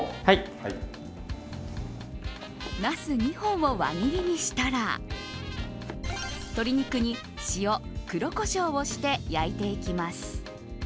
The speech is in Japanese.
ナス２本を輪切りにしたら鶏肉に塩、黒コショウをして焼いていきます。